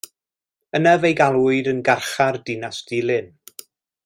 Yna fe'i galwyd yn Garchar Dinas Dulyn.